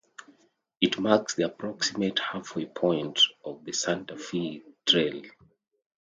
It marks the approximate halfway point on the Santa Fe Trail.